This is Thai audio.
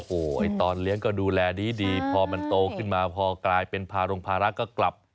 โอ้โหตอนเลี้ยงก็ดูแลดีพอมันโตขึ้นมาพอกลายเป็นภารงภาระก็กลับ